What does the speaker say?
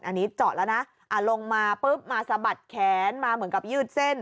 อันนี้เจาะแล้วนะลงมาปุ๊บมาสะบัดแขนมาเหมือนกับยืดเส้น